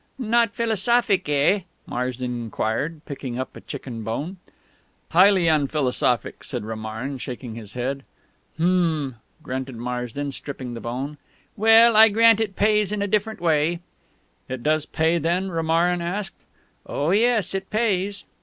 "Not philosophic, eh?" Marsden inquired, picking up a chicken bone. "Highly unphilosophic," said Romarin, shaking his head. "Hm!" grunted Marsden, stripping the bone... "Well, I grant it pays in a different way." "It does pay, then?" Romarin asked. "Oh yes, it pays."